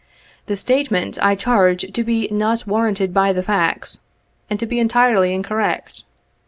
This statement, I charge to be not warranted by the facts, and to be entirely incorrect.